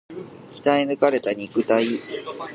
鍛え抜かれた肉体